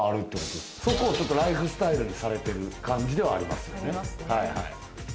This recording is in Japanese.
そこをライフスタイルにされてる感じではありますよね。